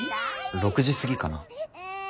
６時過ぎかな。